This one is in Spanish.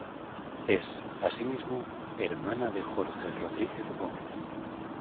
Es, asimismo, hermana de Jorge Rodríguez Gómez.